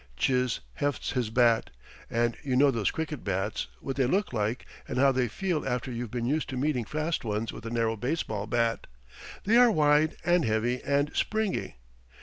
Chiz hefts his bat and you know those cricket bats, what they look like and how they feel after you've been used to meeting fast ones with a narrow baseball bat. They are wide and heavy and springy.